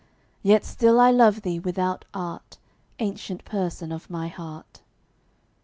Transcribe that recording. Yet still I love thee without art, Ancient Person of my heart.